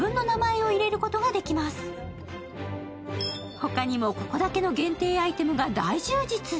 ほかにも、ここだけの限定アイテムが大充実。